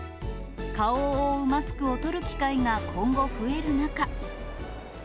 顔を覆うマスクを取る機会が今後、増える中。